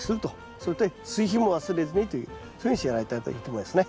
それと追肥も忘れずにというそういうふうにしてやられたらいいと思いますね。